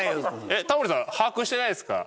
えっタモリさん把握してないですか？